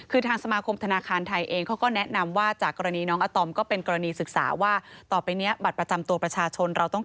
คือทางสมาคมธนาคารไทยเอง